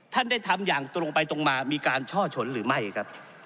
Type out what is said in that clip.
ท่านได้ทำอย่างตรงไปตรงมามีการช่อชนหรือไม่ครับ